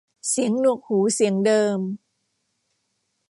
เสียงหนวกหูเสียงเดิม